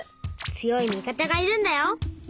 強い味方がいるんだよ。